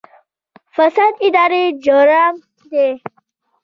فساد اداري جرم دی